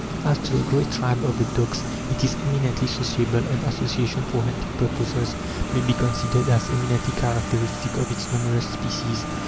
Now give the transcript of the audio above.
As to the great tribe of the dogs, it is eminently sociable, and association for hunting purposes may be considered as eminently characteristic of its numerous species.